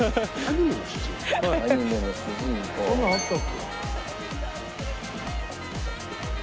そんなのあったっけ？